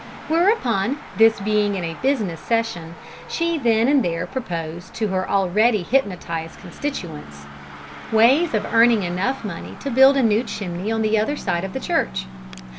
Whereupon, this being in a business session, she then and there proposed to her already hypnotized constituents ways of earning enough money to build a new chimney on the other side of the church.